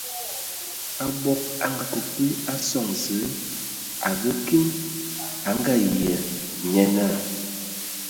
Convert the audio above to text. Abog a ngakǝ kwi a sɔŋ Zǝə, a və kiŋ, a Ngayia, nye naa.